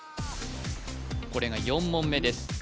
これが４問目です